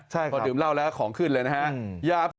ใช่ครับเดี๋ยวดื่มเหล้าแล้วของขึ้นเลยนะครับยา